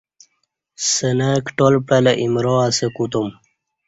سنا کٹال پعلہ ایمرا اسہ کوتم